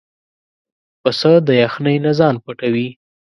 پسه د یخنۍ نه ځان پټوي.